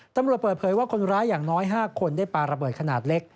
ตำรวจเปิดเผยว่าคนร้ายอย่างน้อย๕คนได้ปลาระเบิดขนาดเล็ก